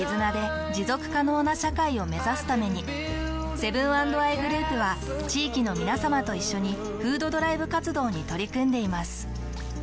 セブン＆アイグループは地域のみなさまと一緒に「フードドライブ活動」に取り組んでいます。